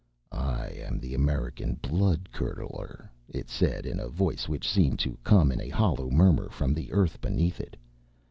"I am the American blood curdler," it said, in a voice which seemed to come in a hollow murmur from the earth beneath it.